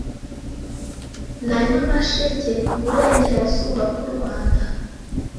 na Nyamasheke.iburengerazuba bwurwanda